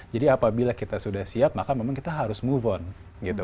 jadi apabila kita sudah siap maka memang kita harus move on gitu